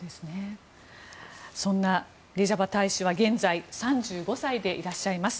そんなレジャバ大使は現在３５歳でいらっしゃいます。